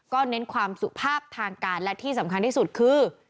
เน้นความสุภาพทางการและที่สำคัญที่สุดคือ